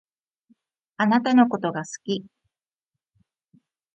あなたのことが好き